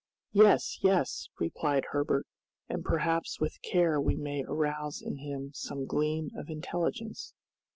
"Yes, yes!" replied Herbert, "and perhaps with care we may arouse in him some gleam of intelligence."